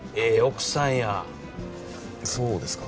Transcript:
奥さんやそうですか？